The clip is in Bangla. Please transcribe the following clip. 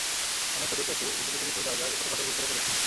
অনেক সুযোগ পেয়েছি, কিন্তু কিছু কিছু জায়গায় ছোটখাটো ভুল করে ফেলেছি।